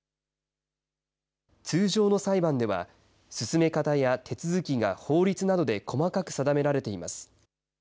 通常の裁判では、進め方や手続きが法律などで細かく定められています。